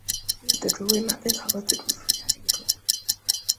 锐叶紫珠为马鞭草科紫珠属下的一个种。